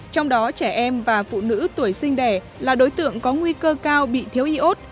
trong đó trẻ em và phụ nữ tuổi sinh đẻ là đối tượng có nguy cơ cao bị thiếu iốt